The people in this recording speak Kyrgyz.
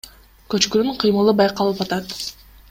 Көчкүнүн кыймылы байкалып атат.